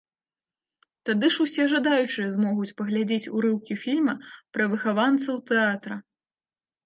Тады ж усе жадаючыя змогуць паглядзець урыўкі фільма пра выхаванцаў тэатра.